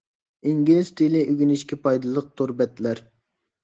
ئىنگلىز تىلى ئۆگىنىشكە پايدىلىق تور بەتلەر.